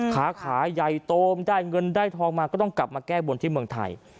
ขาขาใหญ่โตมได้เงินได้ทองมาก็ต้องกลับมาแก้บนที่เมืองไทย